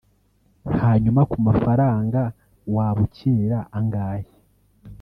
hanyuma ku mafaranga (waba ukinira angahe)